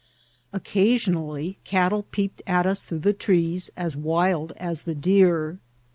Occa^ sionally cattle peeped at us through the trees as wild as the deer.